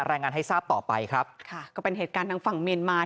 รายงานให้ทราบต่อไปครับค่ะก็เป็นเหตุการณ์ทางฝั่งเมียนมา